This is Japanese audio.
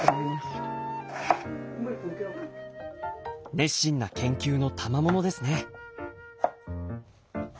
熱心な研究のたまものですね。